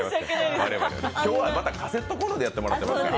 今日はまた、カセットこんろでやってもらってますから。